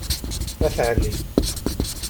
At ɛli.